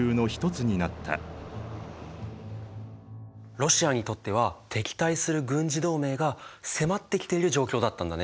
ロシアにとっては敵対する軍事同盟が迫ってきている状況だったんだね。